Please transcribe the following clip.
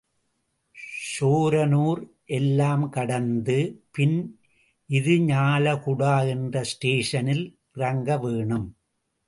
ஷோரனூர் எல்லாம் கடந்த பின் இருஞாலகுடா என்ற ஸ்டேஷனில் இறங்க வேணும்.